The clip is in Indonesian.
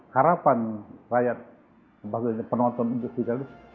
harapan rakyat maksudnya penonton untuk spikal itu